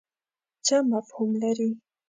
څه مفهوم لري.